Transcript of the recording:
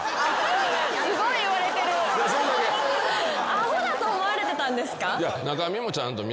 アホだと思われてたんですか？